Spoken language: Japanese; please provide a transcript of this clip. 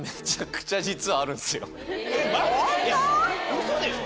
ウソでしょ？